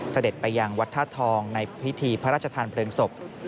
เสด็จไปยังวัดธาตุทองในพิธีพระราชทานเพลิงศพ